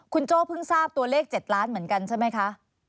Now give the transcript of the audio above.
คุณโจ้เพิ่งทราบตัวเลข๗ล้านเหมือนกันใช่ไหมคะ